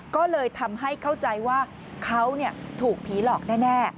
ก็เลยทำให้เข้าใจว่าเขาถูกผีหลอกแน่